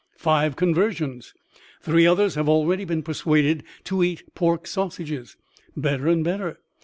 Five conversions!! Three others have already been persuaded to eat pork sausages. (Better and better.)